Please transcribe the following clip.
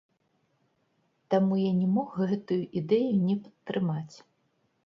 Таму я не мог гэтую ідэю не падтрымаць.